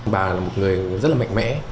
bà là một người rất là mạnh mẽ